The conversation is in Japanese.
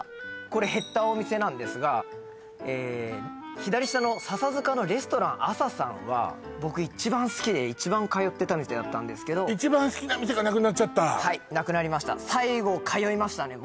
これ減ったお店なんですが左下の笹塚のレストランＡＳＡさんは僕一番好きで一番通ってた店だったんですけど一番好きな店がなくなっちゃったはいなくなりました最後通いましたね